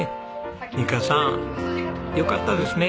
美香さんよかったですね。